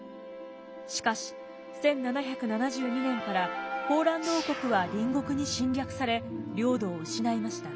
しかし１７７２年からポーランド王国は隣国に侵略され領土を失いました。